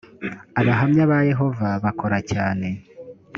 abahamya ba yehova bakora cyane.